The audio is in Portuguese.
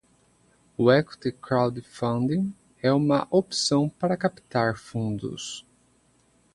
O equity crowdfunding é uma opção para captar fundos.